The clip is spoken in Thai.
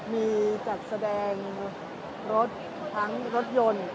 มีจัดแสดงรถทั้งรถยนต์